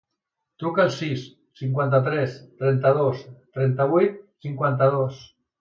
Truca al sis, cinquanta-tres, trenta-dos, trenta-vuit, cinquanta-dos.